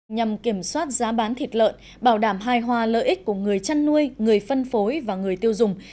nhằm kiểm soát giá bán thịt lợn bảo đảm hài hòa lợi ích của người chăn nuôi người phân phối và người tiêu dùng